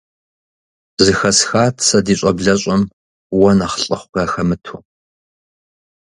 Зыхэсхат сэ ди щӀэблэщӀэм уэ нэхъ лӀыхъу яхэмыту.